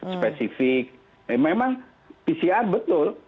spesifik memang pcr betul